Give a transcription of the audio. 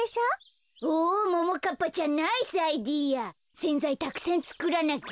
せんざいたくさんつくらなきゃ。